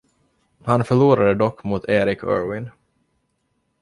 Han förlorade dock mot Eric Irwin.